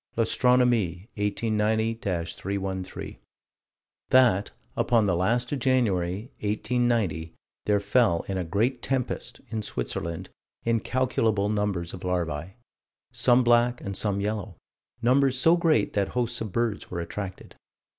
L'Astronomie, 1890 313: That, upon the last of January, 1890, there fell, in a great tempest, in Switzerland, incalculable numbers of larvae: some black and some yellow; numbers so great that hosts of birds were attracted.